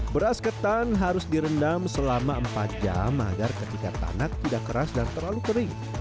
beras ketan harus direndam selama empat jam agar ketika tanah tidak keras dan terlalu kering